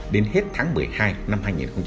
đến hết tháng một mươi hai năm hai nghìn hai mươi